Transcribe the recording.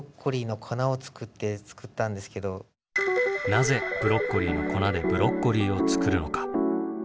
なぜブロッコリーの粉でブロッコリーを作るのか？